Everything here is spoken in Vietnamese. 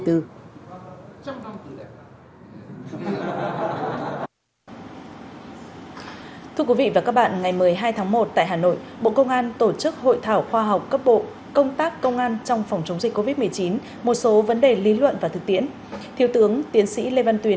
trong năm tùy đẹp